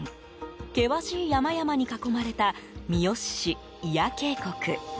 険しい山々に囲まれた三好市、祖谷渓谷。